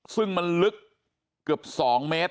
ซึ่งมันลึกเกือบ๒เมตร